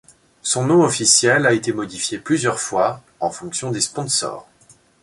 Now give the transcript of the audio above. Son nom officiel a été modifié plusieurs fois, en fonction des sponsors.